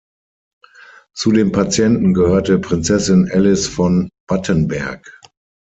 Zu den Patienten gehörte Prinzessin Alice von Battenberg.